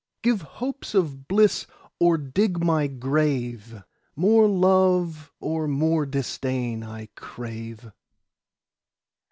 10 Give hopes of bliss or dig my grave: More love or more disdain I crave.